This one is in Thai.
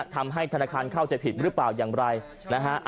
ทำให้ธนาคารเข้าใจผิดหรือเปล่าอย่างไรนะฮะ